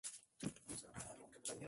Durante la noche se entierran en la arena.